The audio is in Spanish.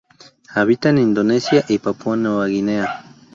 Habita en Indonesia y Papúa Nueva Guinea.